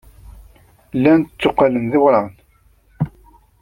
Llan tteqqalen d iwraɣen.